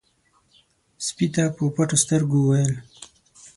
سپي په پټو سترګو وويل: